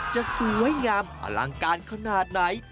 จะสวยงามอลังการขนาดไหน